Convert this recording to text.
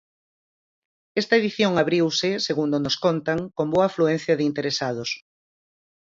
Esta edición abriuse, segundo nos contan, con boa afluencia de interesados.